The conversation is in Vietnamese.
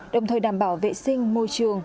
đồng thời đảm bảo vệ sinh môi trường